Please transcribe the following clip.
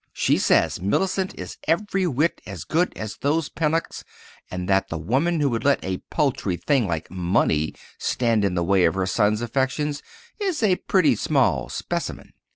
She says Mellicent is every whit as good as those Pennocks, and that the woman who would let a paltry thing like money stand in the way of her son's affections is a pretty small specimen.